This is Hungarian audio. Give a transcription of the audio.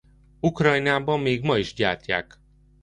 Ukrajnában még ma is gyártják.